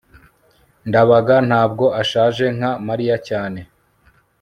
ndabaga ntabwo ashaje nka mariya cyane